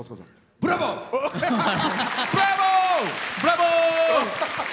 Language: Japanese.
ブラボー！